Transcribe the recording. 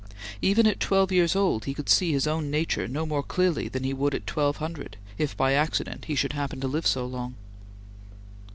Even at twelve years old he could see his own nature no more clearly than he would at twelve hundred, if by accident he should happen to live so long.